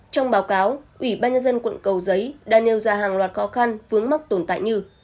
trong báo cáo ủy ban nhân dân quận cầu giấy đã nêu ra hàng loạt khó khăn vướng mắc tồn tại như